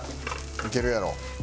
いけるやろ。